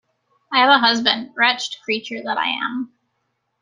I have a husband, wretched creature that I am!